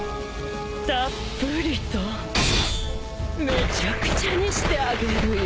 たっぷりとめちゃくちゃにしてあげるよ。